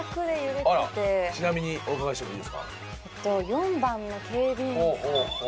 ４番の警備員さん。